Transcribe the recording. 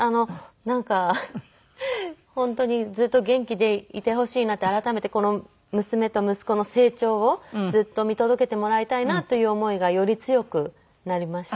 なんか本当にずっと元気でいてほしいなって改めてこの娘と息子の成長をずっと見届けてもらいたいなという思いがより強くなりました。